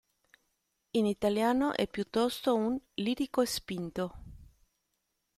In italiano, è piuttosto un lirico-spinto.